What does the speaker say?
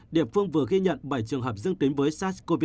địa phương vừa ghi nhận bảy trường hợp dương tính với sars cov hai